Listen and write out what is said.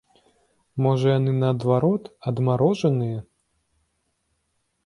Можа, яны, наадварот, адмарожаныя?